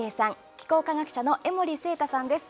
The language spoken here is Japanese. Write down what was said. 気候科学者の江守正多さんです。